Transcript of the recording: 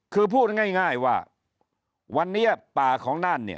คือพูดง่ายว่าวันนี้ป่าของน่านเนี่ย